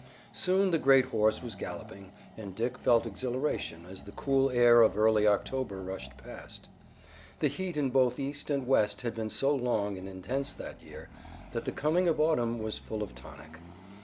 Soon the great horse was galloping, and Dick felt exhilaration as the cool air of early October rushed past. The heat in both east and west had been so long and intense, that year, that the coming of autumn was full of tonic.